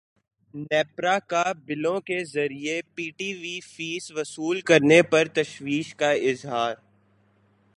نیپرا کا بلوں کے ذریعے پی ٹی وی فیس وصول کرنے پر تشویش کا اظہار